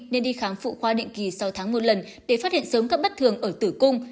nên đi khám phụ khoa định kỳ sáu tháng một lần để phát hiện sớm các bất thường ở tử cung